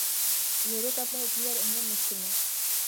euro cup میں Italy اور England مشکل میں